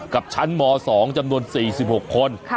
กับชั้นม๒จำนวน๔๖คน